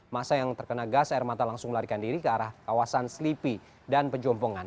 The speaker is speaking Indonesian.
masa yang terkena gas air mata langsung melarikan diri ke arah kawasan selipi dan pejompongan